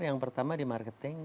yang pertama di marketing